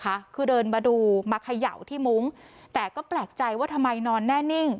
คือเดินมาดูมาเขย่าที่มุ้งแต่ก็แปลกใจว่าทำไมนอนแน่นิ่ง